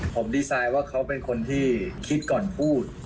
ผมดีไซน์ว่าเขาเป็นคนที่คิดก่อนพูด